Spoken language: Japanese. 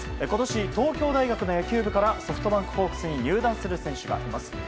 今年、東京大学の野球ぶからソフトバンクホークスに入団する選手がいます。